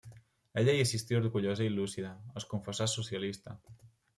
Ella hi assistí orgullosa i, lúcida, es confessà socialista.